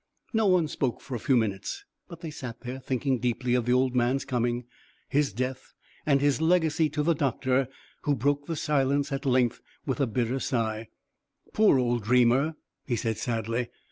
No one spoke for a few minutes, but they sat there thinking deeply of the old man's coming, his death, and his legacy to the doctor, who broke the silence at length with a bitter sigh. "Poor old dreamer!" he said sadly.